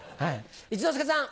一之輔さん。